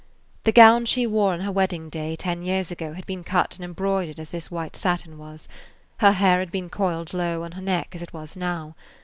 The gown she wore on her wedding day ten years ago had been cut and embroidered as this white satin was; her hair had been coiled low on her neck, as it was now.